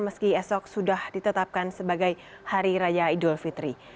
meski esok sudah ditetapkan sebagai hari raya idul fitri